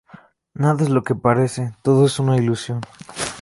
Nada es lo que parece, todo es una ilusión.